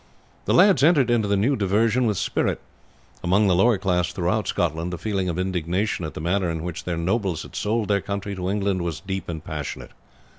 The lads entered into the new diversion with spirit. Among the lower class throughout Scotland the feeling of indignation at the manner in which their nobles had sold their country to England was deep and passionate.